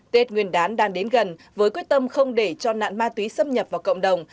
tết nguyên đán đang đến gần với quyết tâm không để cho nạn ma túy xâm nhập vào cộng đồng